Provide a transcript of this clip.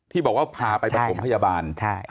บอกว่าพาไปประถมพยาบาล